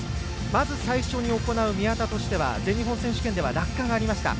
まず最初に行う宮田としては全日本選手権では落下がありました。